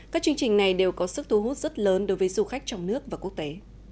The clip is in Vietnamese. các chương trình này đều có sức thu hút rất lớn đối với du khách trong nước và quốc tế